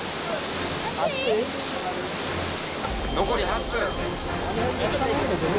残り８分。